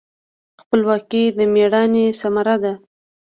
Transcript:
خپلواکي د میړانې ثمره ده.